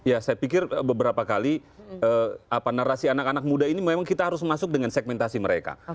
ya saya pikir beberapa kali narasi anak anak muda ini memang kita harus masuk dengan segmentasi mereka